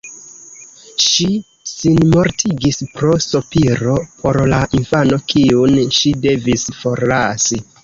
Ŝi sinmortigis pro sopiro por la infano kiun ŝi devis forlasi.